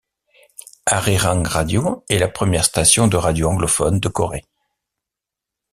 Arirang Radio est la première station de radio anglophone de Corée.